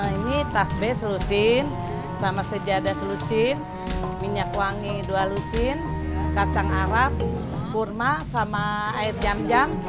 ini tas b selusin sama sejadah selusin minyak wangi dua lusin kacang arab kurma sama air jam jam